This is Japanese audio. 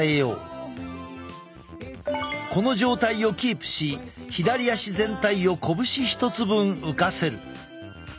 この状態をキープし左足全体を拳１つ分浮かせる。